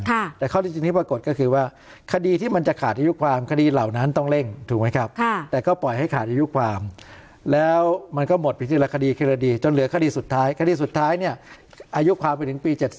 แต่ข้อที่จริงที่ปรากฏก็คือว่าคดีที่มันจะขาดอายุความคดีเหล่านั้นต้องเร่งถูกไหมครับแต่ก็ปล่อยให้ขาดอายุความแล้วมันก็หมดไปทีละคดีทีละคดีจนเหลือคดีสุดท้ายคดีสุดท้ายเนี่ยอายุความไปถึงปี๗๐